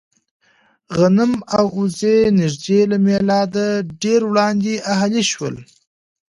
غنم او اوزې نږدې له مېلاده ډېر وړاندې اهلي شول.